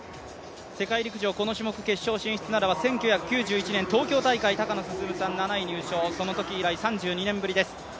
世界陸上この種目決勝進出ならば１９９１年東京大会、高野進さん入賞、そのとき以来３２年ぶりです。